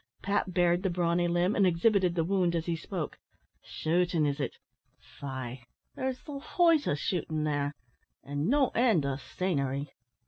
(Pat bared the brawny limb, and exhibited the wound as he spoke.) "Shootin', is it? faix there's the hoith o' shootin' there, an' no end o' sainery."